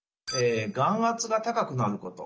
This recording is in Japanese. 眼圧が高くなること。